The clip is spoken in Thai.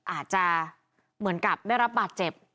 อาจจะเหมือนกับได้รับบาดเจ็บ